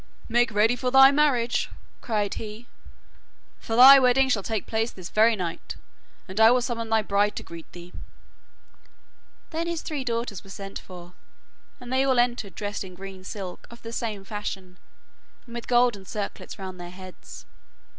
'Make ready for thy marriage,' cried he, 'for the wedding shall take place this very night, and I will summon thy bride to greet thee.' Then his three daughters were sent for, and they all entered dressed in green silk of the same fashion, and with golden circlets round their heads.